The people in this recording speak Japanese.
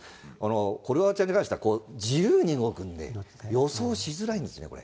クロアチアに関しては自由に動くんで、予想しづらいんですよ、これ。